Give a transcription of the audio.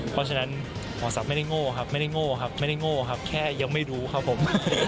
เพราะฉะนั้นหมอสับไม่ได้โง่ครับแค่ยังไม่รู้ครับผม